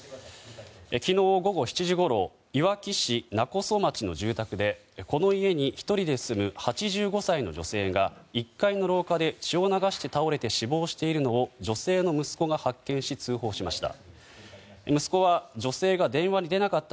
昨日午後７時ごろいわき市勿来町の住宅でこの家に１人で住む８５歳の女性が１階の廊下で血を流して倒れて死亡しているのを女性の息子が発見し通報しました。